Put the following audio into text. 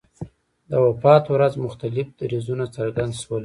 د وفات په ورځ مختلف دریځونه څرګند شول.